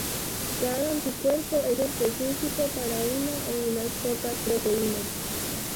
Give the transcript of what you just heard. Cada anticuerpo es específico para una o unas pocas proteínas.